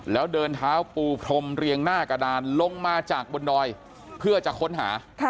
แล้วเดินเท้าปูพรมเรียงหน้ากระดานลงมาจากบนดอยเพื่อจะค้นหา